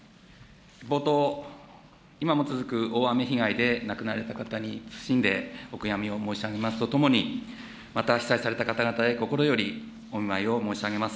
冒頭、今も続く大雨被害で亡くなられた方に謹んでお悔やみを申し上げますとともに、また被災された方々へ心よりお見舞いを申し上げます。